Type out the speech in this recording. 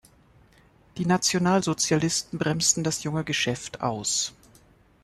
Die Nationalsozialisten bremsten das junge Geschäft aus.